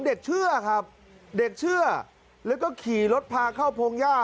เชื่อครับเด็กเชื่อแล้วก็ขี่รถพาเข้าพงหญ้า